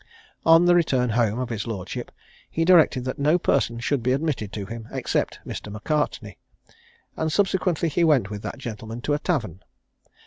On the return home of his lordship, he directed that no person should be admitted to him, except Mr. Macartney; and subsequently he went with that gentleman to a tavern.